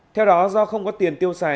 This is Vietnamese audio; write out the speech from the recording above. theo đó do không có tiền tiêu xài